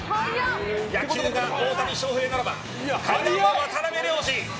野球が大谷翔平ならば階段王は渡辺良治。